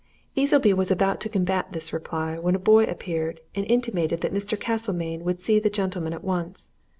Easleby was about to combat this reply when a boy appeared, and intimated that Mr. Castlemayne would see the gentlemen at once.